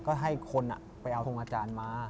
ก็ให้คนไปเอาทรงอาจารย์มา